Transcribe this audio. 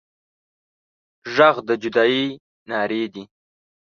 غږ د جدايي نارې دي